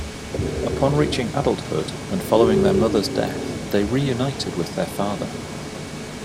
Upon reaching adulthood, and following their mother's death, they reunited with their father.